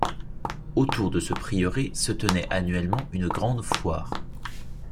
Autour de ce prieuré se tenait annuellement une grande foire.